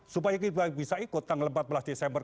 supaya kita bisa ikut tanggal empat belas desember